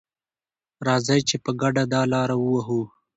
راځئ چې په ګډه دا لاره ووهو.